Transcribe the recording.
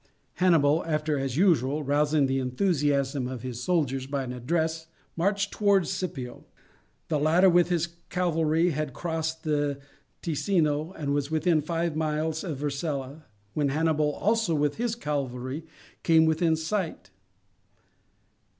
Hannibal, after, as usual, rousing the enthusiasm of his soldiers by an address, marched towards Scipio. The latter, with his cavalry, had crossed the Ticino and was within five miles of Vercella, when Hannibal, also with his cavalry, came within sight.